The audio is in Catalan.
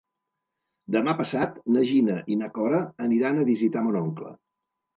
Demà passat na Gina i na Cora aniran a visitar mon oncle.